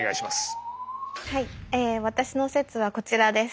はい私の説はこちらです。